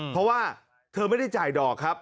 เพราะว่าเธอไม่ได้จ่ายดอกครับ